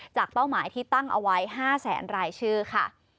เป้าหมายที่ตั้งเอาไว้๕แสนรายชื่อค่ะ